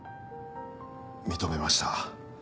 認めました。